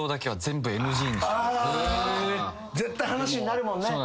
絶対話になるもんね。